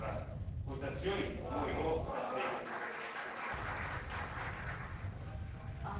こういった強い思いを感じているところでございます。